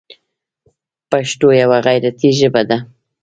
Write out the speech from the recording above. پښتو یوه غیرتي ژبه ده.